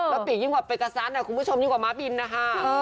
แล้วปียิ่งกว่าเปอร์ซันคุณผู้ชมยิ่งกว่าม้าบินนะคะ